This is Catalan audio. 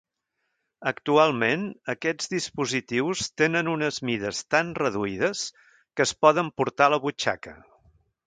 Actualment aquests dispositius tenen unes mides tan reduïdes que es poden portar a la butxaca.